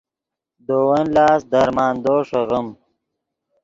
دے ون لاست درمندو ݰیغیم